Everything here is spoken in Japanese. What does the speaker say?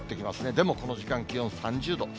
でもこの時間、気温３０度。